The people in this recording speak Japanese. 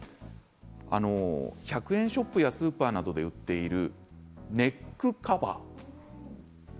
１００円ショップやスーパーなどで売っているネックカバーです。